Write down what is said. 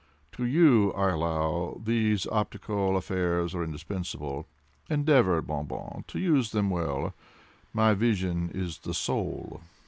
To you, I allow, these optical affairs are indispensable. Endeavor, Bon Bon, to use them well;—my vision is the soul."